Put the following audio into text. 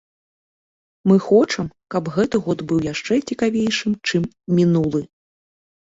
Мы хочам, каб гэты год быў яшчэ цікавейшы чым мінулы.